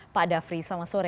pak dhafri selamat sore